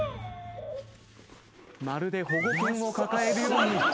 まるで保護犬を抱えるように。